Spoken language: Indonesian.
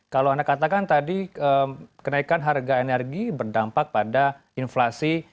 kalau anda katakan tadi kenaikan harga energi berdampak pada inflasi